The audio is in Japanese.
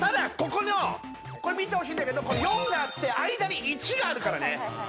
ここのこれ見てほしいんだけど４があって間に１があるからね